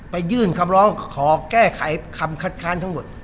ยื่นคำร้องขอแก้ไขคำคัดค้านทั้งหมด